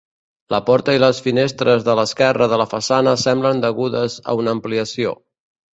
La porta i les finestres de l'esquerra de la façana semblen degudes a una ampliació.